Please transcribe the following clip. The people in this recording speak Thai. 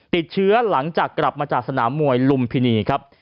ติดเชื้อหลังจากกลับมาจากสนามมวยลุมพินีครับ